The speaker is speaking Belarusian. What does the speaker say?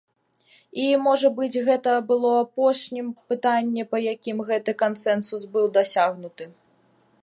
І, можа быць, гэта было апошні пытанне, па якім гэты кансэнсус быў дасягнуты.